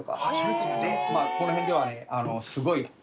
この辺ではねすごい。